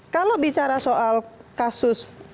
kalau bicara soal kasus